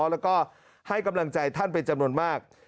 แล้วก็ให้กำลังใจท่านเป็นจำนวนมาก